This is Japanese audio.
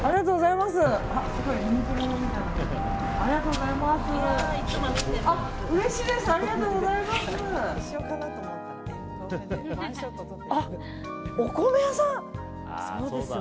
うれしいです！